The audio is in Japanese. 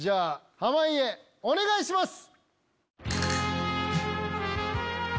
濱家お願いします！